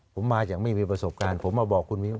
ผมมาจากไม่มีประสบการณ์ผมมาบอกคุณมิ้น